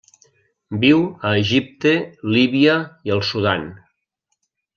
Viu a Egipte, Líbia i el Sudan.